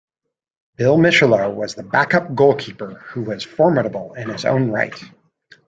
Bill Mishalow was the backup goalkeeper who was formidable in his own right.